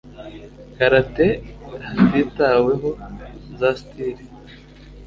karate hatitaweho za styles